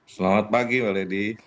selamat pagi mbak ledi